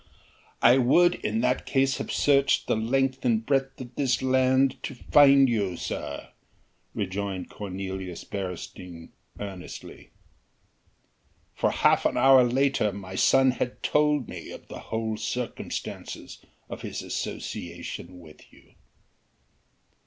"I would in that case have searched the length and breadth of this land to find you, sir," rejoined Cornelius Beresteyn earnestly, "for half an hour later my son had told me the whole circumstances of his association with you."